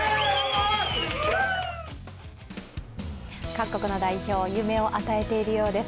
各国の代表、夢を与えているようです。